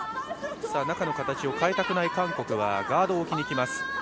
中の形を変えたくない韓国はガードを置きにきます。